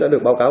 đã được báo cáo